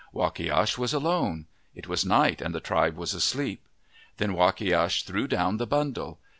Wakiash was alone. It was night and the tribe was asleep. Then Wakiash threw down the bundle.